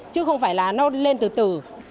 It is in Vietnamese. chứ không phải là nó lên từ từ